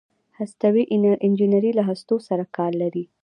هستوي انجنیری له هستو سره کار لري.